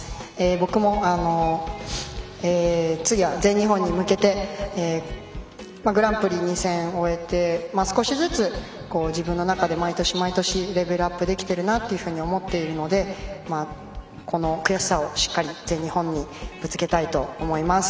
僕も、次は全日本に向けてグランプリ２戦終えて少しずつ自分の中で毎年毎年レベルアップできてるなというふうに思っているのでこの悔しさを、しっかり全日本にぶつけたいと思います。